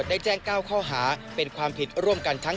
จอบประเด็นจากรายงานของคุณศักดิ์สิทธิ์บุญรัฐครับ